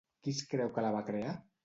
Qui es creu que la va crear?